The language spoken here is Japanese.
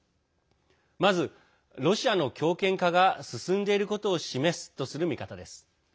まず、ロシアの強権化が進んでいることを示すとする見方です。